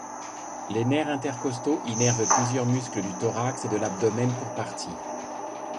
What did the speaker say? Les nerfs intercostaux innervent plusieurs muscles du thorax, et de l'abdomen pour partie.